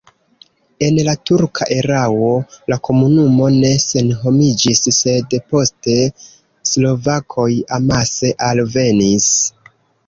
En la turka erao la komunumo ne senhomiĝis, sed poste slovakoj amase alvenis.